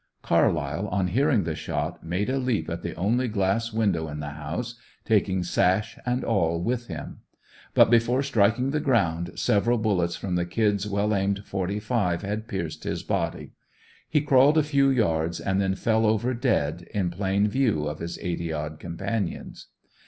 Carlyle, on hearing the shot, made a leap at the only glass window in the house, taking sash and all with him. But before striking the ground several bullets from the "Kids" well aimed "45" had pierced his body. He crawled a few yards and then fell over dead, in plain view of his eighty odd companions.